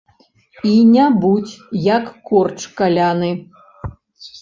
І не будзь, як корч каляны!